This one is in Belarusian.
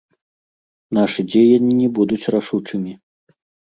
Нашы дзеянні будуць рашучымі.